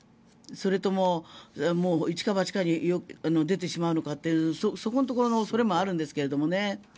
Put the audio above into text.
それとももう一か八かに出てしまうのかとそこのところのそれもあるんですけれどもね。